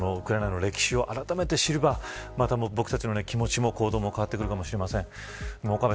確かに、ウクライナの歴史をあらためて知ればまた、僕たちの気持ちも行動も変わってくるかもしれません。